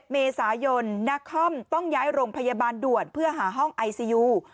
เมษายนนักคอมต้องย้ายโรงพยาบาลด่วนเพื่อหาห้องไอซียู